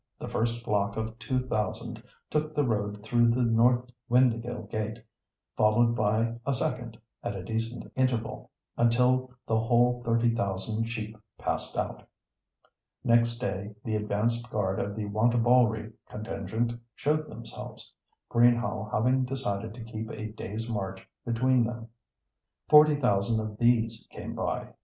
The first flock of two thousand took the road through the north Windāhgil gate, followed by a second, at a decent interval, until the whole thirty thousand sheep passed out. Next day the advanced guard of the Wantabalree contingent showed themselves—Greenhaugh having decided to keep a day's march between them. Forty thousand of these came by.